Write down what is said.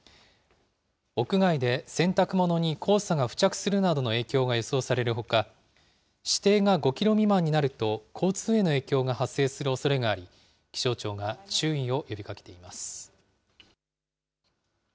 屋外で洗濯物に黄砂が付着するなどの影響が予想されるほか、視程が５キロ未満になると交通への影響が発生するおそれがあり、気象庁が注意を呼びかけています。